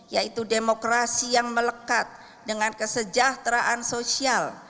yaitu demokrasi yang melekat dengan kesejahteraan sosial